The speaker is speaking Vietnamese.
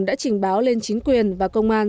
đã trình báo lên chính quyền và công an